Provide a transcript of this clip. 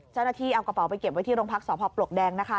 เจ้าหน้าที่เอากระเป๋าไปเก็บไว้ที่โรงพักษพปลวกแดงนะคะ